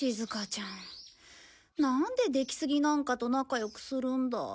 なんで出木杉なんかと仲良くするんだ。